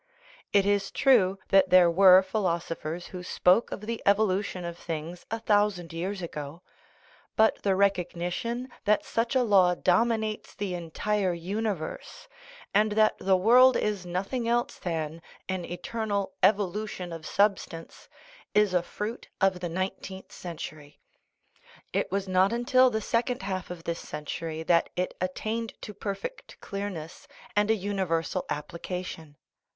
It is true that there were philosophers who spoke of the evo lution of things a thousand years ago ; but the recogni tion that such a law dominates the entire universe, and that the world is nothing else than an eternal " evolution of substance," is a fruit of the nineteenth century. It was not until the second half of this century that it at tained to perfect clearness and a universal application.